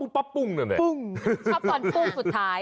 ปุ้มชอบปอนด์ปุ้มสุดท้าย